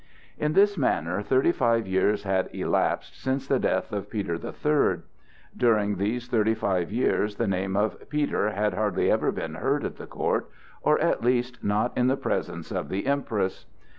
In this manner thirty five years had elapsed since the death of Peter the Third. During these thirty five years the name of Peter had hardly ever been heard at the court, or at least not in the presence of the Empress.